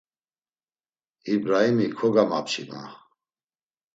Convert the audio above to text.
İbraimi kogamapçi, ma.